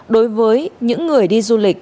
đối với những người đi du lịch